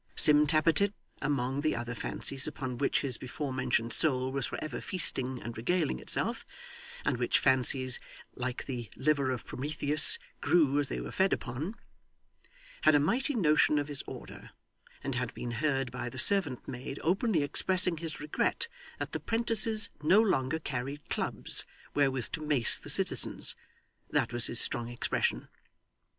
Sim Tappertit, among the other fancies upon which his before mentioned soul was for ever feasting and regaling itself (and which fancies, like the liver of Prometheus, grew as they were fed upon), had a mighty notion of his order; and had been heard by the servant maid openly expressing his regret that the 'prentices no longer carried clubs wherewith to mace the citizens: that was his strong expression.